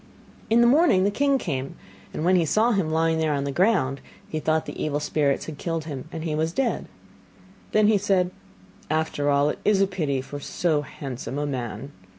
In the morning the king came, and when he saw him lying there on the ground, he thought the evil spirits had killed him and he was dead. Then said he: 'After all it is a pity, for so handsome a man.